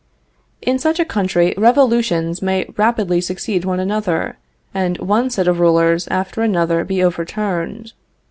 In such a country revolutions may rapidly succeed one another, and one set of rulers after another be overturned.